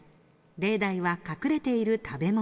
例題は隠れている食べ物。